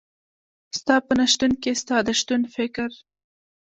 ستا په نشتون کي ستا د شتون فکر